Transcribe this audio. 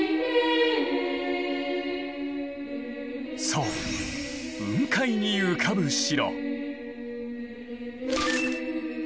そう雲海に浮かぶ城。